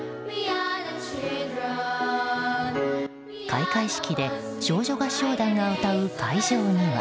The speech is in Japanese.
開会式で少女合唱団が歌う会場には。